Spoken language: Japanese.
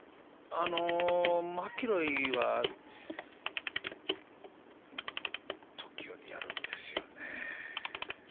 マキロイは時折やるんですよね。